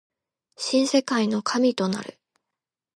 新世界の神となる